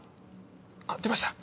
あっ出ました！